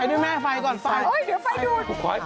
ดูหน้าอีกหมดอัพ